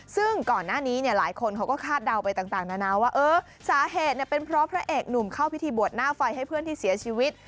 ซึ่งก่อนหน้านี้เนี่ยหลายคนเขาก็คาดเดาไปต่างนานาว่าเออสาเหตุเป็นเพราะพระเอกหนุ่มเข้าพิธีบวชหน้าไฟให้เพื่อนที่เสียชีวิต